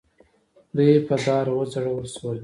دوی په دار وځړول شول.